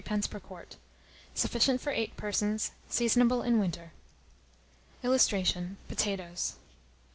per quart. Sufficient for 8 persons. Seasonable in winter. [Illustration: POTATOES.